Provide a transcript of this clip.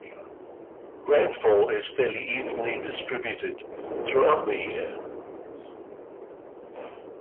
Rainfall is fairly evenly distributed throughout the year.